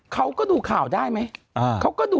เขาก็ดูข่าวได้ไหม